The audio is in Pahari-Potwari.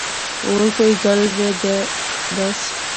ہور کوئی گل وے دے دس